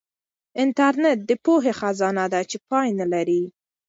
انټرنیټ د پوهې خزانه ده چې پای نه لري.